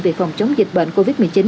về phòng chống dịch bệnh covid một mươi chín